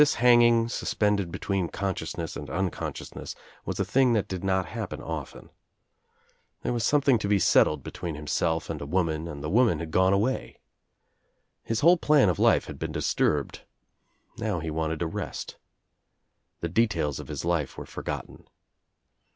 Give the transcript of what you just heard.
This hanging suspended between consciousness and unconsciousness was a thing that did not happen often. There was something to be settled between himself OUT OF NOWHERE INTO NOTHING 221 and a woman and the woman had gone away. His whole plan of life had been disturbed. Now he wanted to rest. The details of his life were forgotten.